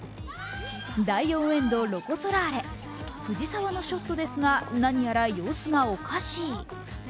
第４エンド、ロコ・ソラーレ藤澤のショットですが何やら様子がおかしい。